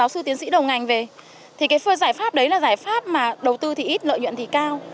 bảo minh đưa các giáo sư tiến sĩ đầu ngành về thì cái phương giải pháp đấy là giải pháp mà đầu tư thì ít lợi nhuận thì cao